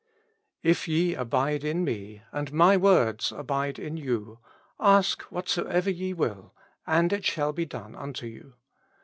If ye abide in me^ AND MY WORDS ABIDE IN YOU, ask whatsoever ye will and it shall be done zmto you.